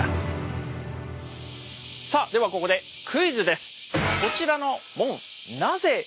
さあではここでクイズです！